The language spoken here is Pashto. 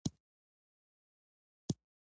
خج د لهجې څخه مهم دی.